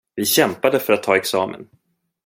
Vi kämpade för att ta examen.